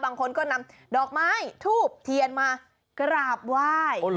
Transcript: บางคนก็นำดอกไม้ทูบเทียนมากราบไหว้